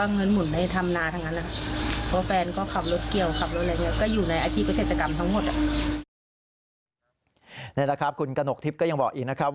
นี่แหละครับคุณกนกทิพย์ก็ยังบอกอีกนะครับ